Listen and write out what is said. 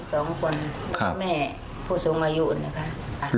สองคนแล้วแม่ผู้สูงอายุอื่นนะคะ